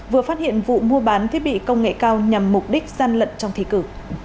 vừa phát hiện vụ mua bán thiết bị công nghệ cao nhằm mục đích gian lận trong thi cử